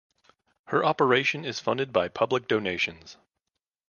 Her operation is funded by public donations.